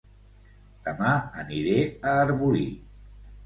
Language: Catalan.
Dema aniré a Arbolí